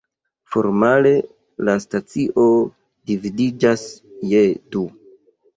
Formale, la stacio dividiĝas je du.